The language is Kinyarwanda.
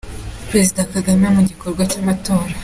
Perezida Kagame yari mu gikorwa cy’Amatora